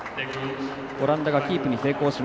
オランダがキープに成功。